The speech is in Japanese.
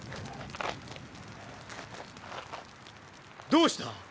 どうした？